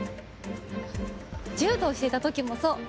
柔道していた時もそう。